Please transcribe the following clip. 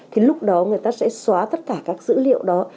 thì lúc đó người ta sẽ xóa tất cả các dữ liệu đó